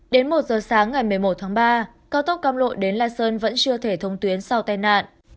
đến một giờ sáng ngày một mươi một tháng ba cao tốc cam lộ đến la sơn vẫn chưa thể thông tuyến sau tai nạn